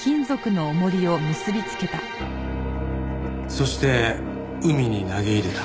そして海に投げ入れた。